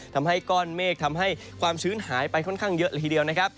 ทำให้ก้อนเมฆทำให้ความชื้นหายไปค่อนข้างเยอะเลยทีเดียวนะครับ